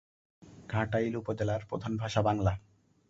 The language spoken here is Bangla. ঘাটাইল উপজেলার প্রধান ভাষা বাংলা।